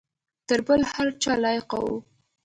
تر بل هر چا لایق وو.